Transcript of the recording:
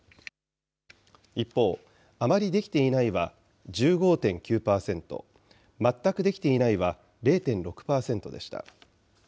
一方、あまりできていないは１５．９％、全くできていないは０．６％でした。